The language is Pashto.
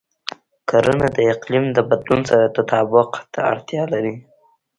کرنه د اقلیم د بدلون سره تطابق ته اړتیا لري.